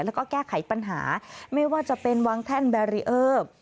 แล้วก็แก้ไขปัญหาไม่ว่าจะเป็นวางแท่นแบรีเออร์